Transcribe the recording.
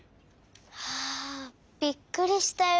はあびっくりしたよ。